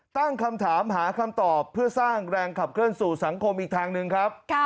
ตั้งคำถามหาคำตอบเพื่อสร้างแรงขับเคลื่อนสู่สังคมอีกทางหนึ่งครับ